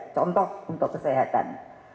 contoh untuk kesehatan